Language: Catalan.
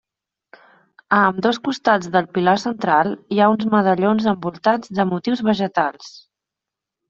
A ambdós costats del pilar central hi ha uns medallons envoltats de motius vegetals.